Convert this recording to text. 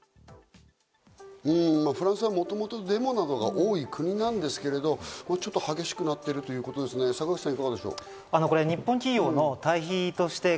フランスはもともとデモなどが多い国なんですけど、ちょっと激しくなっているということですね、坂口さん。